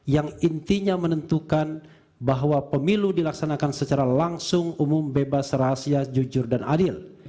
yang intinya menentukan bahwa pemilu dilaksanakan secara langsung umum bebas rahasia jujur dan adil